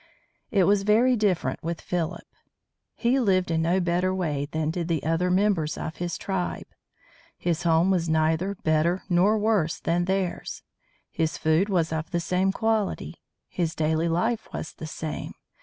It was very different with Philip. He lived in no better way than did the other members of his tribe. His home was neither better nor worse than theirs. His food was of the same quality. His daily life was the same.